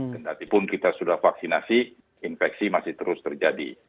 kendatipun kita sudah vaksinasi infeksi masih terus terjadi